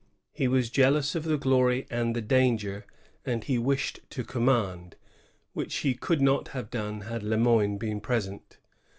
He was jealous of the glory and the danger, and he wished to command, which he could not have done had Le Moyne been present.